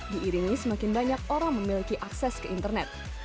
diiringi semakin banyak orang memiliki akses ke internet